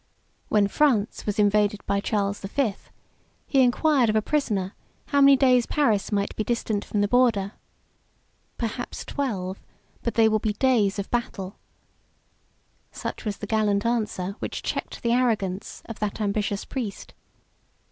When France was invaded by Charles V., he inquired of a prisoner, how many days Paris might be distant from the frontier; "Perhaps twelve, but they will be days of battle:" 93 such was the gallant answer which checked the arrogance of that ambitious prince.